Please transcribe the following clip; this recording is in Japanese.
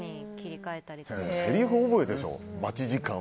せりふ覚えでしょ？